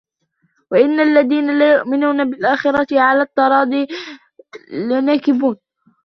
وَإِنَّ الَّذِينَ لَا يُؤْمِنُونَ بِالْآخِرَةِ عَنِ الصِّرَاطِ لَنَاكِبُونَ